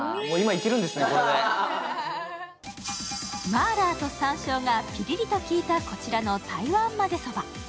マーラーと山椒がピリリと効いた、こちらの台湾まぜそば。